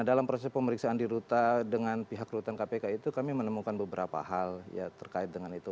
dalam proses pemeriksaan di rute dengan pihak rutan kpk itu kami menemukan beberapa hal ya terkait dengan itu